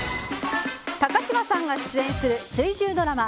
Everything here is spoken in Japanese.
高嶋さんが出演する水１０ドラマ